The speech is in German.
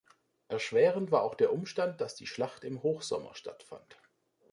Erschwerend war auch der Umstand, dass die Schlacht im Hochsommer stattfand.